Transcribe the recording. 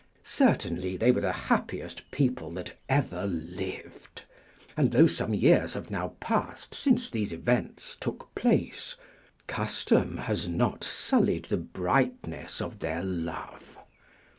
Certainly they were the happiest people that ever lived, and though some years have now passed since these events took place, custom has not sullied the brightness of their love.